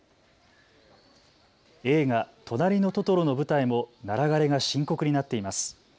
映画となりのトトロの舞台もナラ枯れが深刻になっています。